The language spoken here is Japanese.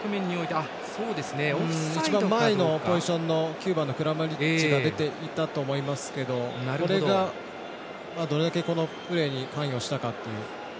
９番のクラマリッチが出ていたと思いますけどこれが、どれだけこのプレーに関与したかという。